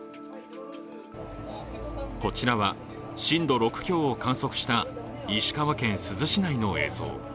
こちらは震度６強を観測した石川県珠洲市内の映像。